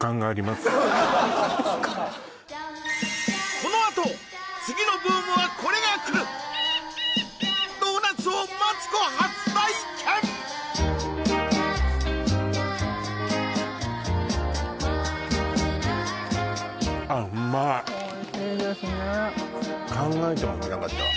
このあと次のブームはこれがくる○○ドーナツをマツコ初体験おいしいですね考えてもみなかったわ